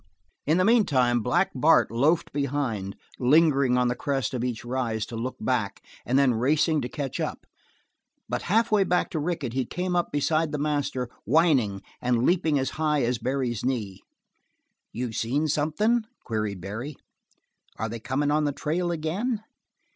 In the meantime Black Bart loafed behind, lingering on the crest of each rise to look back, and then racing to catch up, but halfway back to Rickett he came up beside the master, whining, and leaping as high as Barry's knee. "You seen something?" queried Barry. "Are they comin' on the trail again?"